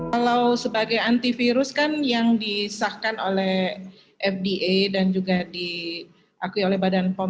kalau sebagai antivirus kan yang disahkan oleh fda dan juga diakui oleh badan pom